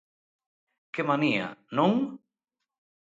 Que manía, non?